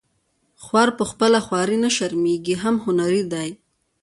خوار په خپله خواري نه شرمیږي هم هنري دی